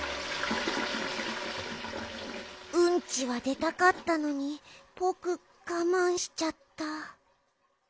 うんちはでたかったのにぼくがまんしちゃった。